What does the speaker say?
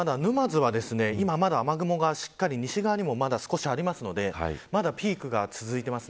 沼津は、今まだ雨雲が西側にも少しありますのでまだピークが続いています。